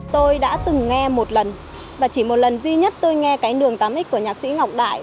tôi đã từng nghe một lần và chỉ một lần duy nhất tôi nghe cái đường tám x của nhạc sĩ ngọc đại